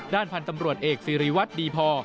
ด้านพันธ์ตำรวจเอกสิริวัตรดีพอ